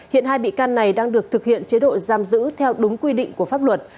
hiện hai bị can này đang được thực hiện chế độ giam giữ theo đúng quy định của pháp luật